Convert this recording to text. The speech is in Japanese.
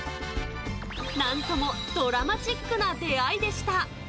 なんともドラマチックな出会いでした。